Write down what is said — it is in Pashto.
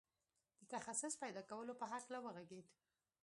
د تخصص پيدا کولو په هکله وغږېد.